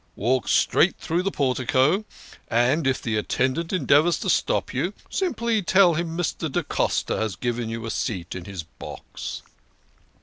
Walk straight through the portico, and, if the attendant endeavours to stop you, simply tell him Mr. da Costa has given you a seat in his box."